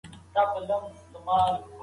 یوازې وخت ورکړئ.